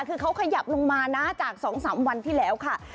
คือเขาขยับลงมานะจาก๒๓วันที่แล้วค่ะ